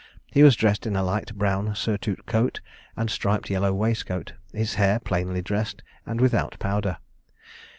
He was dressed in a light brown surtout coat, and striped yellow waistcoat; his hair plainly dressed, and without powder.